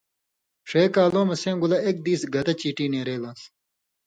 ݜَیں کالؤں مہ سیں گولہ اېک دیس گتہ چیٹی نېرے لان٘س